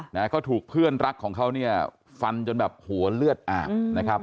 นะฮะเขาถูกเพื่อนรักของเขาเนี่ยฟันจนแบบหัวเลือดอาบนะครับ